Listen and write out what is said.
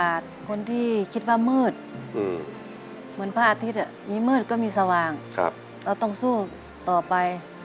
ครับขอบคุณครับสาธุครับพระอาทิตย์สาธุครับพระอาทิตย์ขอบคุณครับ